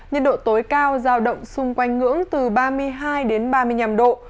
nhiệt độ tối cao giao động xung quanh ngưỡng từ ba mươi hai đến ba mươi năm độ